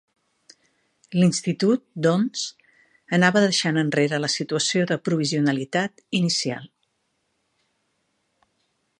L'Institut, doncs, anava deixant enrere la situació de provisionalitat inicial.